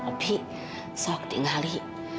tapi sewaktu di ngali